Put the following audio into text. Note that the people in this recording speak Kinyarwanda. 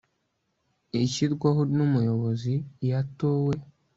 ishyirwaho numuyobozi iyo atowe